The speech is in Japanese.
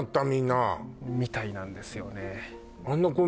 みんなみたいなんですよねあんな